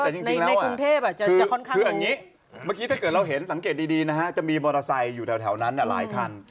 ในกรุงเทพอ่ะจะค่อนข้างมุมคืออันนี้เมื่อกี้ถ้าเกิดเราเห็นสังเกตดีนะฮะจะมีมอเตอร์ไซค์อยู่แถวนั้นอ่ะหลายคัน